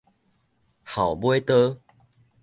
鱟尾刀